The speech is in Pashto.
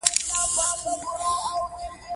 پلار یې ویل که علم وي دولت ته اړتیا نشته